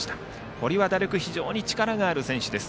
堀は打力の力がある選手です。